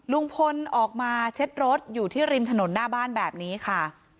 ลุงพลออกมาเช็ดรถอยู่ที่ริมถนนหน้าบ้านแบบนี้ค่ะ